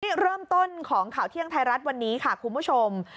นี่เริ่มต้นของข่าวเที่ยงไทยรัฐวันนี้ค่ะคุณผู้ชม